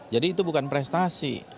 jadi itu bukan prestasi